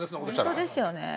本当ですよね。